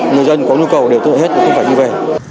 người dân có nhu cầu để tiếp nhận hết không phải đi về